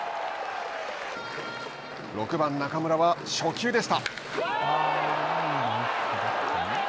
６番中村は初球でした。